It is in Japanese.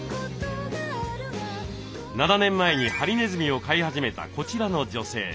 ７年前にハリネズミを飼い始めたこちらの女性。